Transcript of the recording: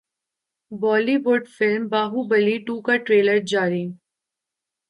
Bali would film Baahubali two کا trailer جاری